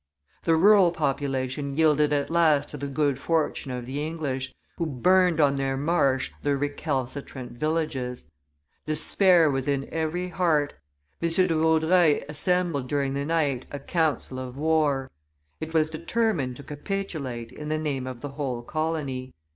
The rural population yielded at last to the good fortune of the English, who burned on their marsh the recalcitrant villages. Despair was in every heart; M. de Vaudreuil assembled during the night a council of war. It was determined to capitulate in the name of the whole colony.